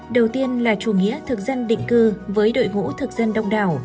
đầu tiên là chủ nghĩa thực dân định cư với đội ngũ thực dân đông đảo